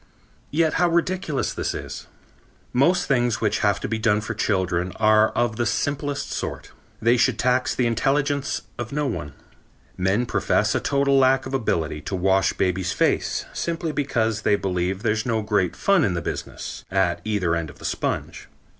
Yet how ridiculous this is. Most things which have to be done for children are of the simplest sort. They should tax the intelligence of no one. Men profess a total lack of ability to wash baby's face simply because they believe there's no great fun in the business, at either end of the sponge.